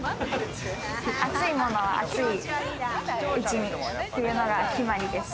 熱いものは熱いうち、というのが決まりです。